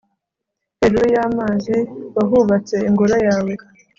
hejuru y'amazi wahubatse ingoro yawe